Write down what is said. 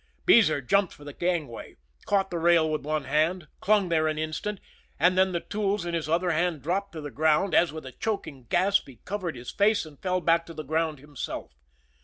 Beezer jumped for the gangway, caught the rail with one hand, clung there an instant, and then the tools in his other hand dropped to the ground, as, with a choking gasp, he covered his face, and fell back to the ground himself.